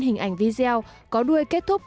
hình ảnh video có đuôi kết thúc